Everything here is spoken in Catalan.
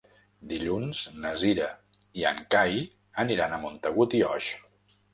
Dilluns na Cira i en Cai aniran a Montagut i Oix.